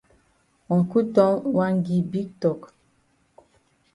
Uncle Tom wan gi big tok.